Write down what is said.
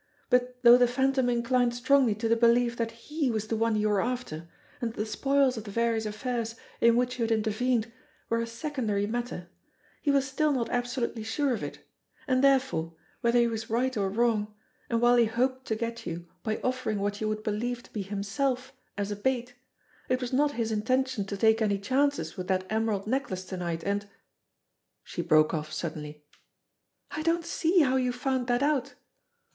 But though the Phantom inclined strongly to the belief that he was the one you were after, and that the spoils of the vari ous affairs in which you had intervened were a secondary matter, he was still not absolutely sure of it and therefore, whether he was right or wrong, and while he hoped to get you by offering what you would believe to be himself as a bait, it was not his intention to take any chances with that emerald necklace to night, and " She broke off sud denly. "I don't see how you found that out